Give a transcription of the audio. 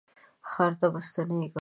او ښار ته به ستنېږم